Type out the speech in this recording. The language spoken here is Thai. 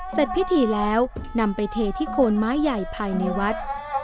เสร็จพิธีแล้วนำไปเทที่โคนไม้ใหญ่ภายในวัด